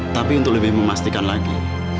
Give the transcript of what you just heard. tapi untuk lebih memastikan lagi